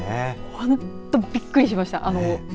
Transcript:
本当びっくりしました。